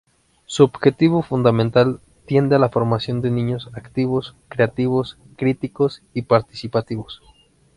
Su objetivo fundamental tiende a la formación de niños activos, creativos, críticos y participativos.